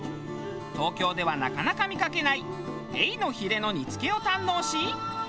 東京ではなかなか見かけないエイのヒレの煮付けを堪能し。